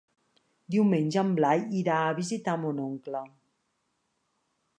Diumenge en Blai irà a visitar mon oncle.